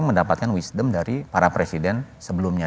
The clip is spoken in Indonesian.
mendapatkan wisdom dari para presiden sebelumnya